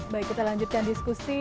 baik kita lanjutkan diskusi